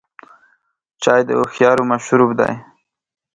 چای د هوښیارو مشروب دی.